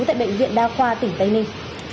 tại bệnh viện đa khoa tỉnh tây ninh